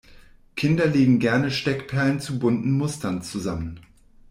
Kinder legen gerne Steckperlen zu bunten Mustern zusammen.